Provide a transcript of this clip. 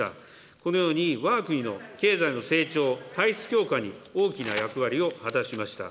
このようにわが国の経済の成長、体質強化に大きな役割を果たしました。